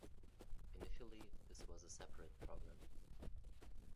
Initially this was a separate program.